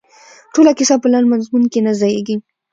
ټوله کیسه په لنډ مضمون کې نه ځاییږي.